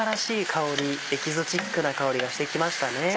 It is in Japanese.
香りエキゾチックな香りがしてきましたね。